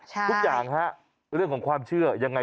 ทุกอย่างฮะเรื่องของความเชื่อยังไง